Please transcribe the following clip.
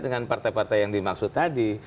dengan partai partai yang dimaksud tadi